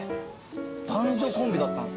男女コンビだったんすね。